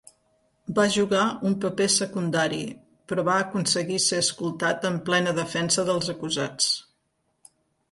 Va jugar un paper secundari, però va aconseguir ser escoltat en plena defensa dels acusats.